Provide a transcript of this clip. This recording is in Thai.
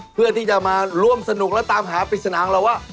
เพื่อที่จะมาร่วมสนุกและตามหาปริศนาของเราว่า